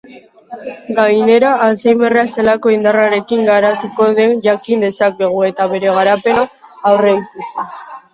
Gainera, alzheimerra zelako indarrarekin garatuko den jakin dezakegu eta bere garapena aurrikusi.